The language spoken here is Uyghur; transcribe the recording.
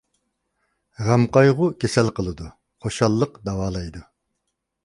غەم-قايغۇ كېسەل قىلىدۇ، خۇشاللىق داۋالايدۇ.